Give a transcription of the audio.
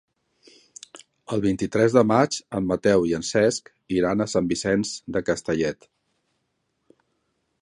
El vint-i-tres de maig en Mateu i en Cesc iran a Sant Vicenç de Castellet.